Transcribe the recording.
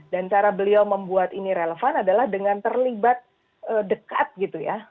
dan cara beliau membuat ini relevan adalah dengan terlibat dekat gitu ya